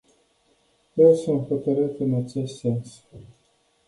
Eu sunt hotărât în acest sens.